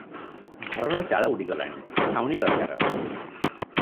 ଘରର ଚାଳ ଉଡ଼ିଗଲାଣି, ଛାଉଣି ଦରକାର ।